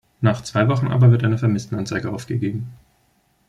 Nach zwei Wochen aber wird eine Vermisstenanzeige aufgegeben.